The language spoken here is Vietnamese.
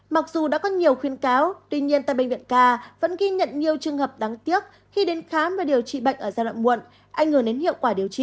mặc dù đã có nhiều khuyên cáo tuy nhiên tại bệnh viện ca vẫn ghi nhận nhiều trường hợp đáng tiếc khi đến khám và điều trị bệnh ở giai đoạn muộn ảnh hưởng đến hiệu quả điều trị